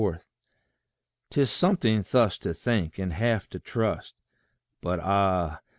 'Tis something thus to think, and half to trust But, ah!